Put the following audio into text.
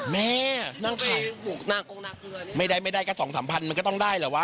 แม่นั่งขายไม่ได้กับ๒๓พันมันก็ต้องได้เหรอวะ